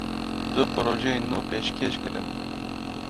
Du projeyên nû pêşkêş kirin.